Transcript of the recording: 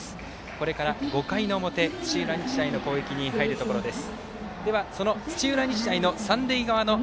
これから５回の表土浦日大の攻撃に入るところです。